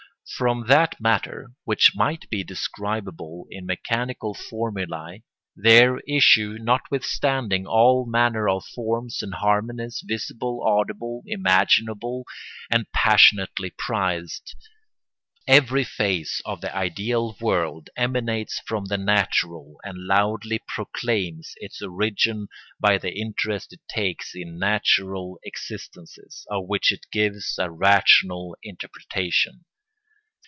From that matter which might be describable in mechanical formulæ there issue notwithstanding all manner of forms and harmonies, visible, audible, imaginable, and passionately prized. Every phase of the ideal world emanates from the natural and loudly proclaims its origin by the interest it takes in natural existences, of which it gives a rational interpretation.